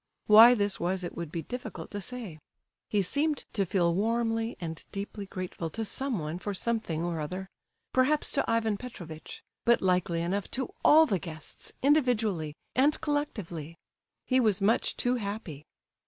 Why this was it would be difficult to say. He seemed to feel warmly and deeply grateful to someone for something or other—perhaps to Ivan Petrovitch; but likely enough to all the guests, individually, and collectively. He was much too happy.